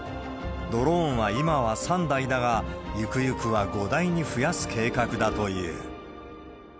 ドローンは今は３台だが、ゆくゆくは５台に増やす計画だという。